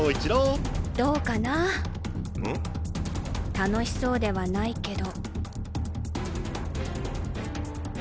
楽しそうではないけど。